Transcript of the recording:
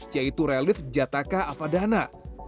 yaitu relif jataka afadana